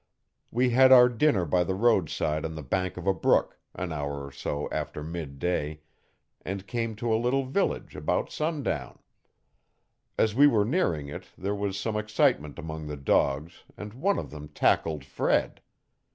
We had our dinner by the roadside on the bank of a brook, an hour or so after midday, and came to a little village about sundown. As we were nearing it there was some excitement among the dogs and one of them tackled Fred.